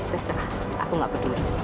terserah aku enggak peduli